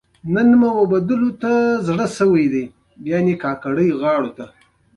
د خوړو اخیستلو لپاره دوکاندار ته پيسى ورکوي.